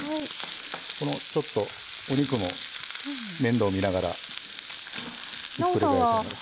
このちょっとお肉の面倒を見ながらひっくり返します。